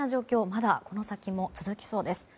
まだこの先も続きそうです。